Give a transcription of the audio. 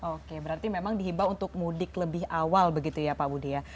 oke berarti memang dihibah untuk mudik lebih awal begitu ya pak budi ya